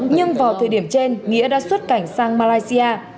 nhưng vào thời điểm trên nghĩa đã xuất cảnh sang malaysia